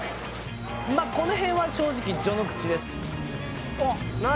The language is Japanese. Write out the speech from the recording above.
まこの辺は正直序の口です何